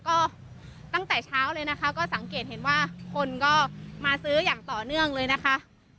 ก็ตั้งแต่เช้าเลยนะคะก็สังเกตเห็นว่าคนก็มาซื้ออย่างต่อเนื่องเลยนะคะ